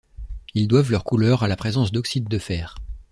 Ils doivent leur couleur à la présence d'oxyde de fer.